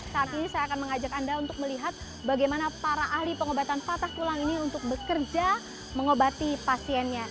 saat ini saya akan mengajak anda untuk melihat bagaimana para ahli pengobatan patah tulang ini untuk bekerja mengobati pasiennya